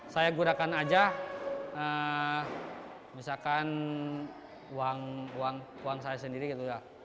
saya gunakan aja misalkan uang saya sendiri gitu ya